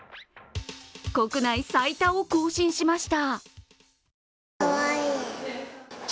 国内最多を更新しました。